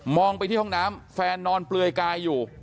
ไปที่ห้องน้ำแฟนนอนเปลือยกายอยู่